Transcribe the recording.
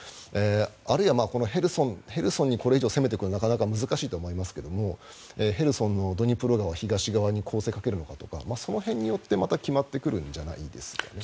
あるいはヘルソンにこれ以上攻めていくにはなかなか難しいとは思いますがヘルソンのドニプロ川東側に攻勢をかけるのかとかその辺によってまた決まってくるんじゃないですかね。